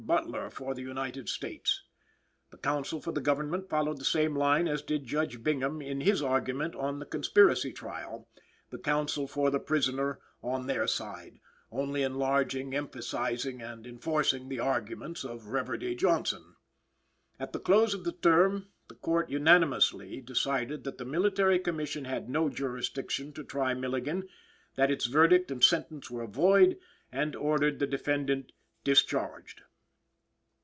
Butler for the United States. The counsel for the Government followed the same line as did Judge Bingham in his argument on the "Conspiracy Trial;" the counsel for the prisoner on their side, only enlarging, emphasizing and enforcing the argument of Reverdy Johnson. At the close of the term the Court unanimously decided that the Military Commission had no jurisdiction to try Milligan; that its verdict and sentence were void; and ordered the defendant discharged.